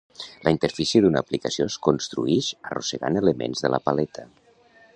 La interfície d'una aplicació es construïx arrossegant elements de la paleta.